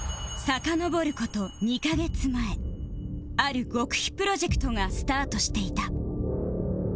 さかのぼる事２カ月前ある極秘プロジェクトがスタートしていた